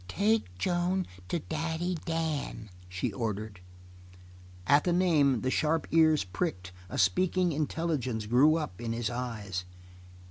"Take Joan to Daddy Dan," she ordered. At the name, the sharp ears pricked; a speaking intelligence grew up in his eyes.